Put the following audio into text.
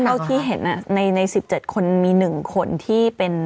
เท่าที่เห็นใน๑๗คนมี๑คนที่เป็น